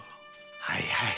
はいはい。